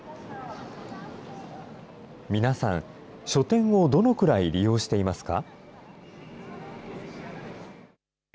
皆さん、書店をどのくらい利用していますか？